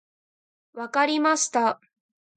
分かりました。